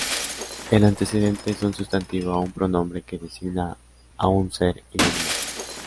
El antecedente es un sustantivo o un pronombre, que designa a un ser inanimado.